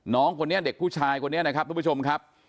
น้องคนนี้เด็กผู้ชายคนนี้นะครับทุกผู้ชมครับ